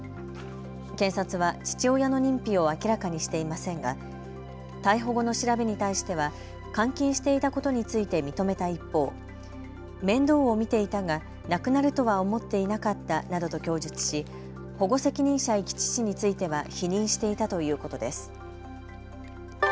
検察は父親の認否を明らかにしていませんが逮捕後の調べに対しては監禁していたことについて認めた一方、面倒を見ていたいたが亡くなるとは思っていなかったなどと供述し保護責任者遺棄致死については否認していたということです。